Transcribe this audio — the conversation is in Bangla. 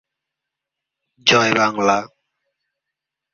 তাই, ‘মৃত্তিকা বলবিদ্যা’ এবং ‘শৈল বলবিদ্যা’ গতানুগতিক বলবিদ্যা থেকে স্বতন্ত্র।